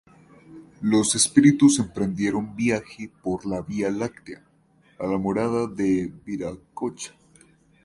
Los espíritus emprendieron viaje por la vía láctea a la morada de Viracocha.